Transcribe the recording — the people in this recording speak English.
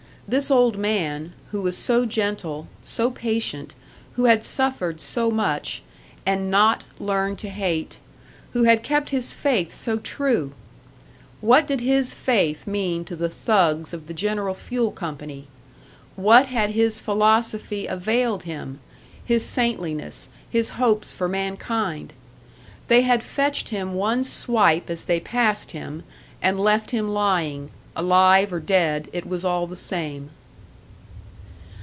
This old man, who was so gentle, so patient, who had suffered so much, and not learned to hate, who had kept his faith so true! What did his faith mean to the thugs of the General Fuel Company? What had his philosophy availed him, his saintliness, his hopes for mankind? They had fetched him one swipe as they passed him, and left him lying alive or dead, it was all the same.